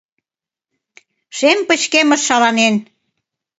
Шем пычкемыш шаланен.